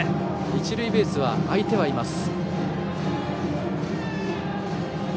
一塁ベースは空いてはいます。